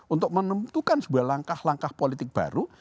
untuk menentukan sebuah langkah langkah politik baru